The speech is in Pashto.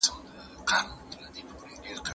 زه شهبازخان افغان یم